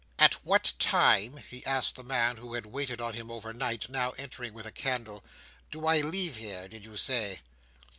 "At what time," he asked the man who had waited on him over night, now entering with a candle, "do I leave here, did you say?"